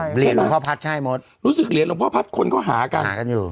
รู้สึกเหลียญหลวงพ่อพัฒน์พูดเหลียญลงพ่อพัฒน์คนอยู่หากัน